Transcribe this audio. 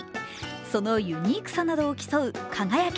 そのユニークさなどを競う「輝け！